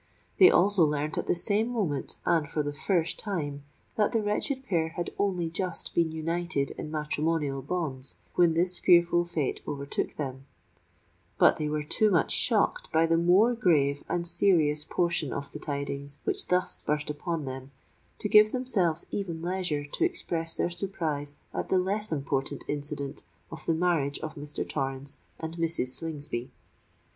They also learnt at the same moment and for the first time, that the wretched pair had only just been united in matrimonial bonds when this fearful fate overtook them; but they were too much shocked by the more grave and serious portion of the tidings which thus burst upon them, to give themselves even leisure to express their surprise at the less important incident of the marriage of Mr. Torrens and Mrs. Slingsby.